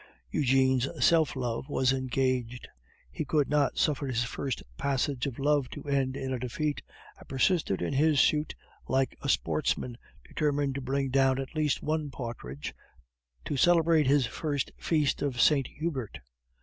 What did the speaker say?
Eugene's self love was engaged; he could not suffer his first passage of love to end in a defeat, and persisted in his suit like a sportsman determined to bring down at least one partridge to celebrate his first Feast of Saint Hubert.